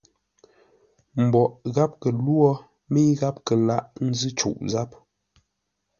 Mboʼ gháp kə lwô, mə́i gháp kə laghʼ ńzʉ́ cûʼ záp.